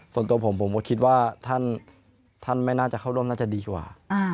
ส่วนตัวผมผมก็คิดว่าท่านไม่น่าจะเข้าร่วมน่าจะดีกว่า